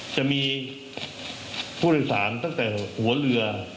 จะมีผู้โดยสารตั้งแต่หัวเรือ